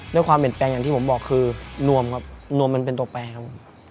ด้วยความเปลี่ยนแปลงอย่างที่ผมบอกคือนวมครับนวมมันเป็นตัวแปลครับผม